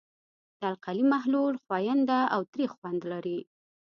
د القلي محلول ښوینده او تریخ خوند لري.